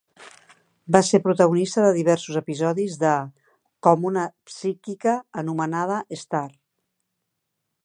Va ser protagonista de diversos episodis de "" com una psíquica anomenada Starr.